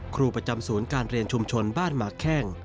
ครูประจำศูนย์การเรียนชุมชนบ้านหมาแข้ง